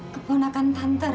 keponakan tante ra